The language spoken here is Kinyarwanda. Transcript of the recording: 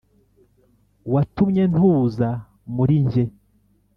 watumye ntuza muri njye